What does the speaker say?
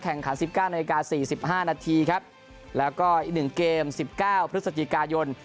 แข่งขัน๑๙น๔๕นครับแล้วก็อีก๑เกม๑๙พฤศจิกายน